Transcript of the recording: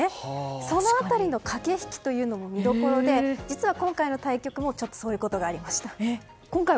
その辺りの駆け引きも見どころで実は、今回の対局も、ちょっとそういうことがありました。